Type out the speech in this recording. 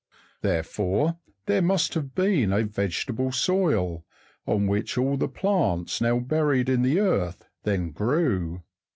There fore, there must have been a vegetable soil, on which all the plants now buried in the earth then grew.